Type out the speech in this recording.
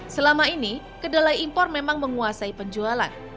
selama ini kedelai impor memang menguasai penjualan